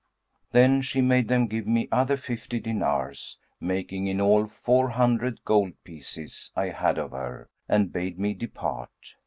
Then she made them give me other fifty dinars (making in all four hundred gold pieces I had of her) and bade me depart.